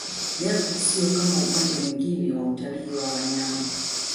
Japo sio kama upande mwingine wa utalii wa wanyama